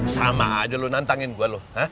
sama aja lu nantangin gue loh